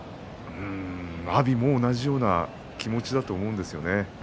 阿炎も同じような気持ちだと思うんですよね。